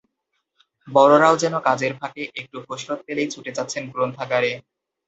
বড়রাও যেন কাজের ফাঁকে একটু ফুরসত পেলেই ছুটে যাচ্ছেন গ্রন্থাগারে।